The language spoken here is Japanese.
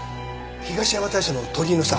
東山大社の鳥居の下。